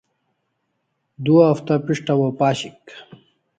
Du hafta pishtaw o pashik